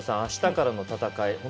あしたからの戦い